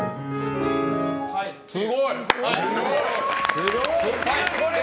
すごーい。